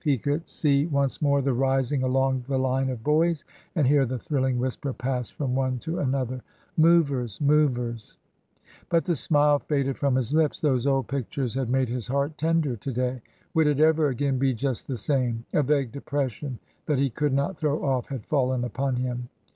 He could see once more the rising along the line of boys, and hear the thrilling whisper pass from one to another, Movers ! movers !" But the smile faded from his lips. Those old pictures had made his heart tender to day. Would it ever again be just the same? A vague depression that he could not throw off had fallen ^ipon him.